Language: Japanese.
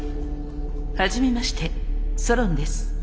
初めましてソロンです。